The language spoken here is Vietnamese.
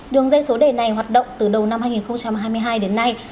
đường dây số đề này hoạt động từ đầu năm hai nghìn hai mươi hai đến nay